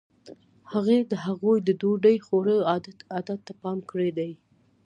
هغې د هغوی د ډوډۍ خوړلو عادتونو ته پام کړی دی.